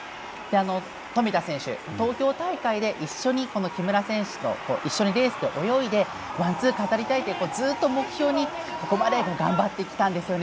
富田選手、東京大会で木村選手と一緒にレースを泳いでワンツーを飾りたいことをそれをずっと目標に頑張ってきたんですね。